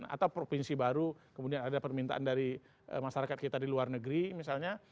atau provinsi baru kemudian ada permintaan dari masyarakat kita di luar negeri misalnya